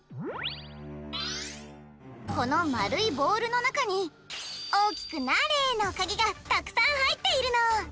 このまるいボールのなかに大きくなれのカギがたくさんはいっているの。